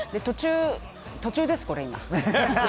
途中です、これ、今。